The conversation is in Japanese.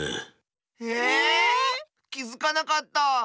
きづかなかった。